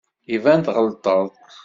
Iban tɣelṭeḍ.